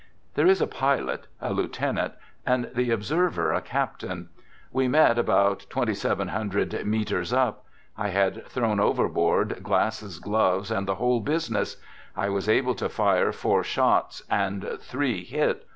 .•. There was a pilot, a lieutenant; and the observer, a captain. We met about 2,700 meters up. I had thrown overboard glasses, gloves, and the whole business! I was able to fire four shots, and three hit.